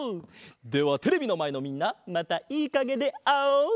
ではテレビのまえのみんなまたいいかげであおう！